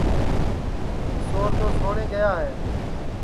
کیشور تو سوٹؔے گیا ہے